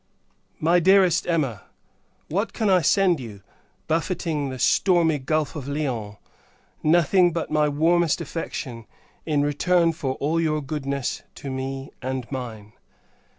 MY DEAREST EMMA, What can I send you, buffeting the stormy gulph of Lyons; nothing, but my warmest affection, in return for all your goodness to me and mine!